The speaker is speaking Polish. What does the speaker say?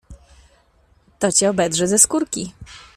To cię obedrze ze skórki.